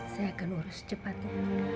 saya akan urus cepatnya